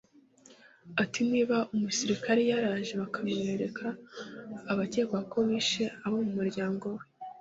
Ati“Niba umusirikare yaraje bakamwereka abakekwa ko bishe abo mu muryango we